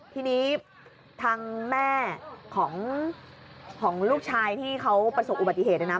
ทีนี้ทางแม่ของลูกชายที่เขาประสบอุบัติเหตุเนี่ยนะ